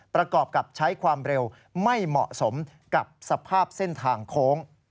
ประกอบกับใช้ความเร็วไม่เหมาะสมกับสภาพเส้นทางโค้ง